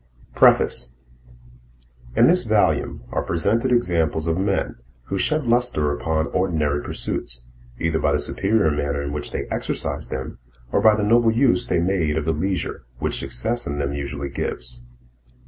PREFACE. In this volume are presented examples of men who shed lustre upon ordinary pursuits, either by the superior manner in which they exercised them or by the noble use they made of the leisure which success in them usually gives.